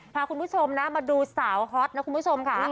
พาคุณผู้ชมนะมาดูสาวฮอตนะคุณผู้ชมค่ะ